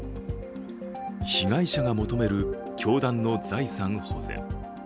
被害者が求める教団の財産保全。